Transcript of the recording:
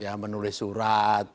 ya menulis surat